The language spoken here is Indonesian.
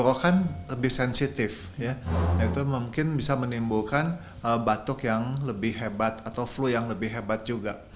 kalau kan lebih sensitif itu mungkin bisa menimbulkan batuk yang lebih hebat atau flu yang lebih hebat juga